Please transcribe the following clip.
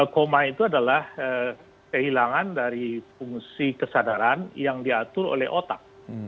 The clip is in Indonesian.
koma itu adalah kehilangan dari fungsi kesadaran yang diatur oleh otak